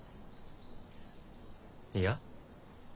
いや。